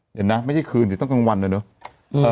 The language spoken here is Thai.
เห็นไหมไม่ใช่คืนสิต้องกลางวันเลยเนอะ